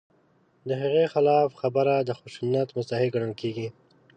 د هغې خلاف خبره د خشونت مستحق ګڼل کېږي.